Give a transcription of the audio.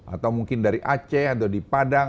atau mungkin dari aceh atau di padang